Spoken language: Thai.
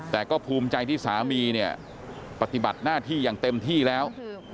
แต่ก็ภูมิใจที่สามีเนี่ยปฏิบัติหน้าที่อย่างเต็มที่แล้ว